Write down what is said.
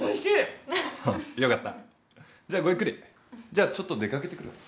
じゃあちょっと出掛けてくるわ。